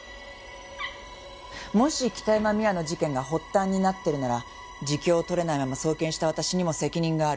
もし北山未亜の事件が発端になってるなら自供を取れないまま送検した私にも責任がある。